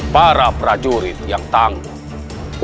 para prajurit yang tangguh